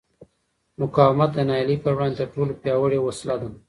مقاومت د ناهیلۍ پر وړاندې تر ټولو پیاوړې وسله ده.